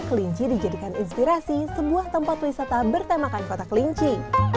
kelinci dijadikan inspirasi sebuah tempat wisata bertemakan kota kelinci